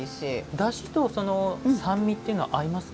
だしと酸味っていうのは合いますか？